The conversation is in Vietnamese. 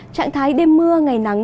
trạng thái đêm mưa ngày nắng